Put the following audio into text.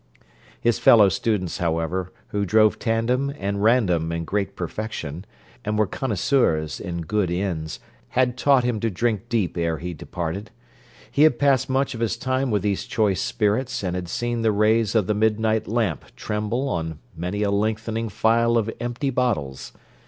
His fellow students, however, who drove tandem and random in great perfection, and were connoisseurs in good inns, had taught him to drink deep ere he departed. He had passed much of his time with these choice spirits, and had seen the rays of the midnight lamp tremble on many a lengthening file of empty bottles.